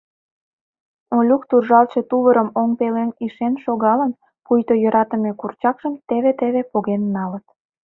Олюк туржалтше тувырым оҥ пелен ишен шогалын, пуйто йӧратыме курчакшым теве-теве поген налыт.